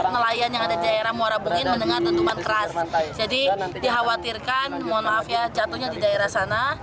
nelayan yang ada di daerah muarabungin mendengar tentukan keras jadi dikhawatirkan mohon maaf ya jatuhnya di daerah sana